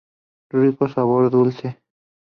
Rico sabor dulce.